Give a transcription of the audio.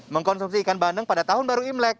mengkonsumsi ikan bandeng pada tahun baru imlek